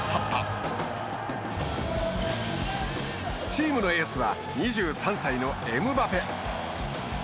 チームのエースは２３歳のエムバペ。